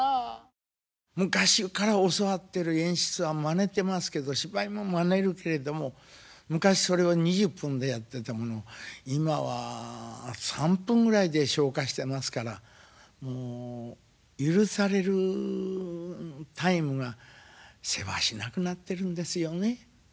昔から教わってる演出はまねてますけど芝居もまねるけれども昔それを２０分でやってたものを今は３分ぐらいで消化してますからもう許されるタイムがせわしなくなってるんですよね。